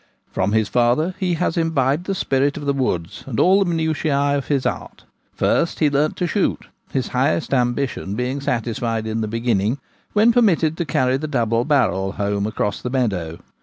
From his father he has imbibed the spirit of the woods and all the minutiae of his art First he learned to shoot ; his highest ambition being satisfied in the beginning when permitted to carry the double barrel home across the meadow.